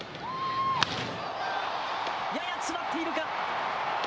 やや詰まっているか。